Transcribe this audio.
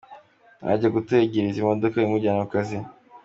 Ajya gutegereza imodoka imujyana ku kazi.